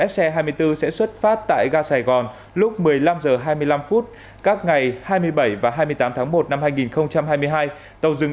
se hai mươi bốn sẽ xuất phát tại ga sài gòn lúc một mươi năm h hai mươi năm các ngày hai mươi bảy và hai mươi tám tháng một năm hai nghìn hai mươi hai tàu dừng